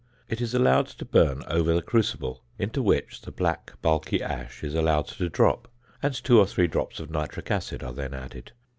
It is allowed to burn over the crucible, into which the black bulky ash is allowed to drop, and two or three drops of nitric acid are then added.